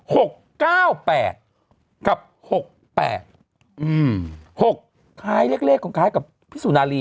หกเก้าแปดกับหกแปดอืมหกคล้ายเลขเลขของคล้ายกับพี่สุนารี